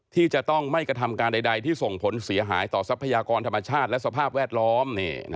ที่จะต้องไม่กระทำการใดที่ส่งผลเสียหายต่อทรัพยากรธรรมชาติและสภาพแวดล้อม